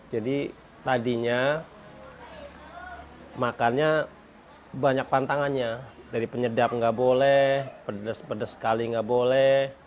jadi tadinya makannya banyak pantangannya dari penyedap gak boleh pedes pedes sekali gak boleh